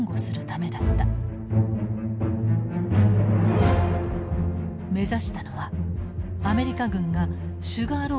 目指したのはアメリカ軍がシュガーローフと呼んだ小高い丘。